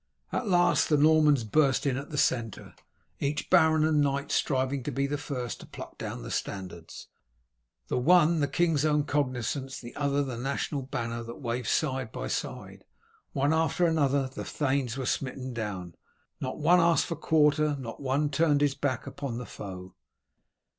At last the Normans burst in at the centre, each baron and knight striving to be the first to pluck down the standards, the one the king's own cognizance, the other the national banner, that waved side by side. One after another the thanes were smitten down. Not one asked for quarter, not one turned his back upon the foe.